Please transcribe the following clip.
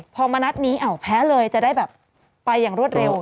พอมานัดนี้แพ้เลยจะได้แบบไปอย่างรวดเร็ว